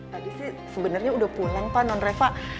tadi sih sebenarnya udah pulang pak non reva